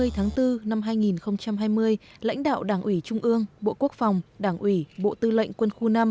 ba mươi tháng bốn năm hai nghìn hai mươi lãnh đạo đảng ủy trung ương bộ quốc phòng đảng ủy bộ tư lệnh quân khu năm